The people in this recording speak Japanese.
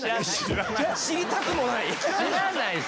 知りたくもない！